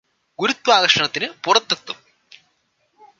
ഗുരുത്വാകര്ഷണത്തിന് പുറത്തെത്തും